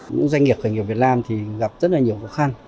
doanh nghiệp khởi nghiệp việt nam gặp rất nhiều khó khăn